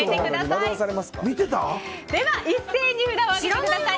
では一斉に札を上げてください。